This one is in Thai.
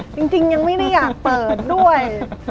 ยังไม่ได้อยากเปิดด้วย